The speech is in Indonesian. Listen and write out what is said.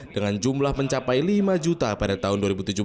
dengan jumlah mencapai lima juta pada tahun dua ribu tujuh belas